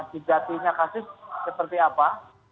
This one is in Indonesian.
dijatinya kasus seperti apa